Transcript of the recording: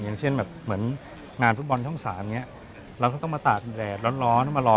อย่างเช่นแบบเหมือนงานฟุตบอลช่อง๓อย่างนี้เราก็ต้องมาตากแดดร้อนมารอ